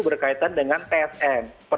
berkaitan dengan tsm